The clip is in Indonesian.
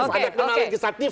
ada kewenangan legislatif